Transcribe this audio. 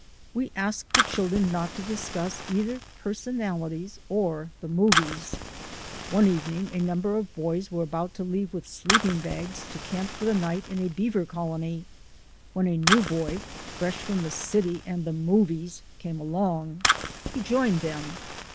We ask the children not to discuss either per sonalities or the movies. One evening a number of boys were about to leave with sleeping bags to camp for the night in a beaver colony, when a new boy, fresh from the city and the movies, came along. He joined them.